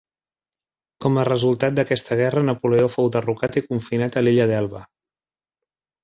Com a resultat d'aquesta guerra Napoleó fou derrocat i confinat a l'illa d'Elba.